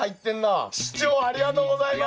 市長ありがとうございます。